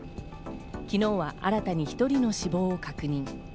昨日は新たに１人の死亡を確認。